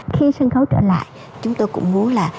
khi sân khấu trở lại chúng tôi cũng muốn là